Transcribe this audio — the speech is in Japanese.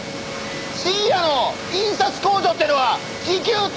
深夜の印刷工場ってのは時給高いから。